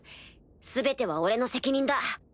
全ては俺の責任だ。